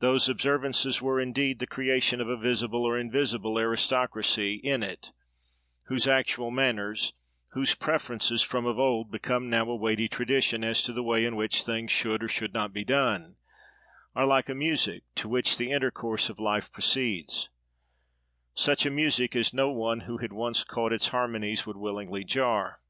Those observances were, indeed, the creation of a visible or invisible aristocracy in it, whose actual manners, whose preferences from of old, become now a weighty tradition as to the way in which things should or should not be done, are like a music, to which the intercourse of life proceeds—such a music as no one who had once caught its harmonies would willingly jar.